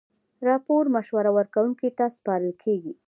راپور مشوره ورکوونکي ته سپارل کیږي.